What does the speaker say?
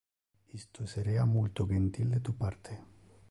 Isto esserea multo gentil de tu parte!